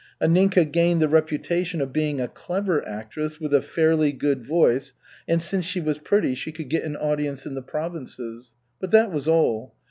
Anninka gained the reputation of being a clever actress with a fairly good voice, and since she was pretty, she could get an audience in the provinces. But that was all.